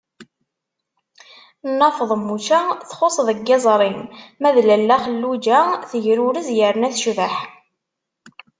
Nna Feḍmuca txuṣṣ deg yiẓri, ma d Lalla Xelluǧa tegrurez yerna tecbeḥ.